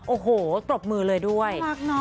โอ้โหตรบมือเลยด้วย